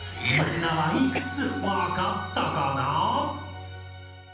みんなはいくつわかったかな？